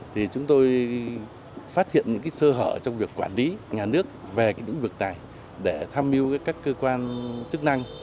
thì chúng tôi phát hiện những sơ hở trong việc quản lý nhà nước về những việc này để tham mưu các cơ quan chức năng